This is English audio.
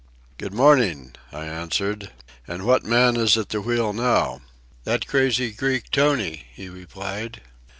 "Good morning," I answered. "And what man is at the wheel now?" "That crazy Greek, Tony," he replied.